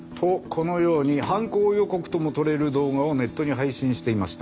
このように犯行予告ともとれる動画をネットに配信していました。